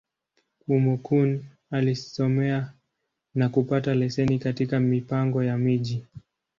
Kúmókụn alisomea, na kupata leseni katika Mipango ya Miji.